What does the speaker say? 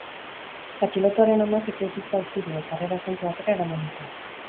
Atxilotuaren amak etxebizitza utzi du, eta harrera-zentro batera eraman dute.